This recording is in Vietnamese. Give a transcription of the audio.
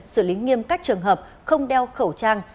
xử lý nghiêm các trường hợp không đeo khẩu trang